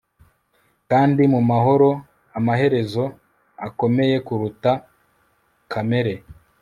Kandi mumahoro amaherezo akomeye kuruta kamere